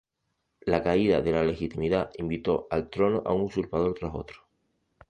La caída de la legitimidad invitó al trono a un usurpador tras otro.